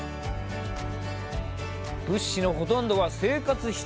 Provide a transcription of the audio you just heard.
物資のほとんどは生活必需品。